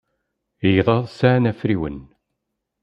Igḍaḍ sɛan afriwen.